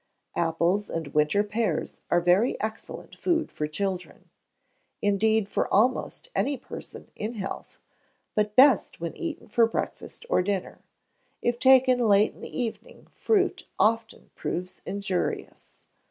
Apples and winter pears are very excellent food for children, indeed, for almost any person in health, but best when eaten for breakfast or dinner. If taken late in the evening, fruit often proves injurious.